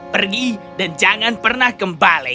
pergi dan jangan pernah kembali